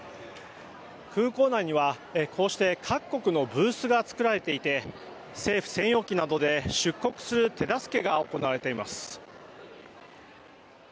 空港内には各国のブースが作られていて政府専用機などで出国する手助けが行われています。